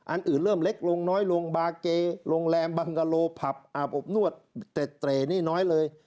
อื่นเริ่มเล็กลงน้อยลงบาเกโรงแรมบังกะโลผับอาบอบนวดเต็ดเตร่นี่น้อยเลย